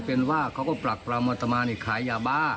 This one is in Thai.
เป็นว่าเขาก็ปรักปรำอัตมานี่ขายยาบ้า